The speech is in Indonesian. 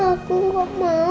aku gak mau ma